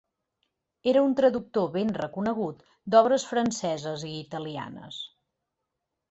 Era un traductor ben reconegut d’obres franceses i italianes.